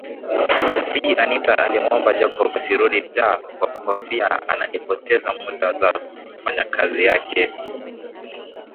Bi Anita alimuomba Jacob asirudi Dar kwa kuhofia angepoteza muda wa kufanya kazi yake